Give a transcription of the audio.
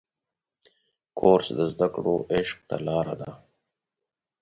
کورس د زده کړو عشق ته لاره ده.